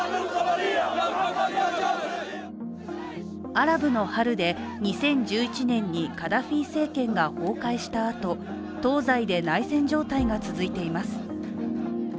アラブの春で２０１１年にカダフィ政権が崩壊したあと東西で内戦状態が続いています。